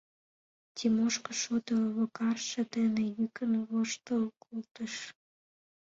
— Тимошка шодо логарже дене йӱкын воштыл колтыш.